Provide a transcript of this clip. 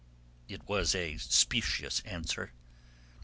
It was a specious answer.